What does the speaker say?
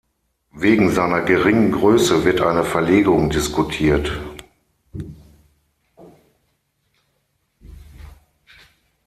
Wegen seiner geringen Größe wird eine Verlegung diskutiert.